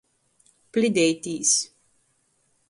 Plideitīs.